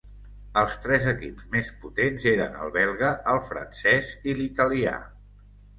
Els tres equips més potents eren el belga, el francès i l'italià.